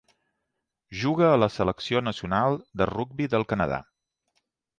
Juga a la selecció nacional de rugbi del Canadà.